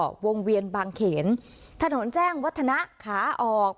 ท่านใช้กับวงเวียนบางเขนถนนแจ้งวัฒนาขาออก